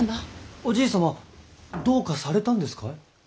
おじい様どうかされたんですかい？